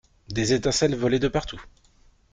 Des étincelles volaient de partout.